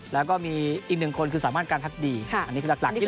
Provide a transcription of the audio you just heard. แล้วก็มีอีกหนึ่งคนคือสามารถการพักดีอันนี้คือหลักที่